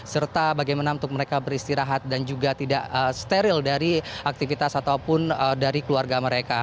serta bagaimana untuk mereka beristirahat dan juga tidak steril dari aktivitas ataupun dari keluarga mereka